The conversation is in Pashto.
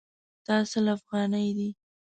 دا سل افغانۍ دي